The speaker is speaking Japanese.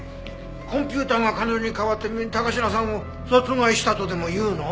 コンピューターが彼女に代わって高階さんを殺害したとでもいうの？